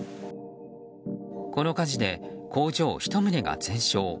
この火事で工場１棟が全焼。